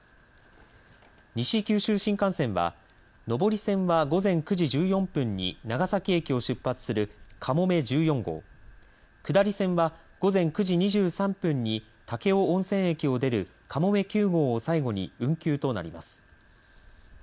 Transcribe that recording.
西九州新幹線は上り線は午前９時１４分に長崎駅を出発するかもめ１４号下り線は午前９時２３分に武雄温泉駅を出るかもめ９号を最後に運休となります。